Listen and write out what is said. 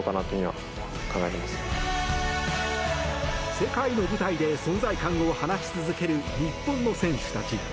世界の舞台で、存在感を放ち続ける日本の選手たち。